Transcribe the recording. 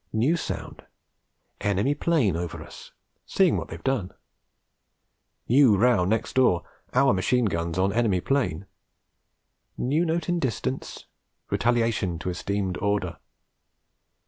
New sound: enemy 'plane over us, seeing what they've done. New row next door: our machine guns on enemy 'plane! New note in distance: retaliation to esteemed order....